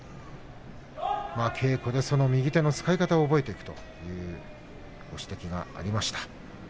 稽古でその右手の使い方を覚えていくというご指摘がありました。